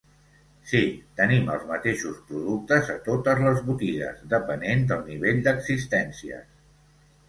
Sí, tenim els mateixos productes a totes les botigues, depenent del nivell d'existències.